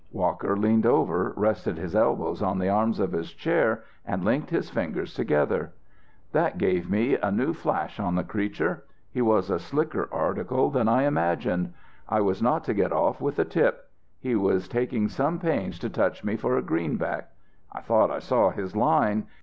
'" Walker leaned over, rested his elbows on the arms of his chair, and linked his fingers together. "That gave me a new flash on the creature. He was a slicker article than I imagined. I was not to get off with a tip. He was taking some pains to touch me for a greenback. I thought I saw his line.